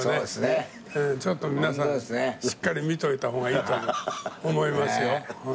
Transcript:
ちょっと皆さんしっかり見といた方がいいと思いますよ。